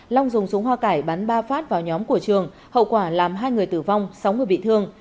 long dùng súng hoa cải bắn ba phát vào nhóm của trường hậu quả làm hai người tử vong sáu người bị thương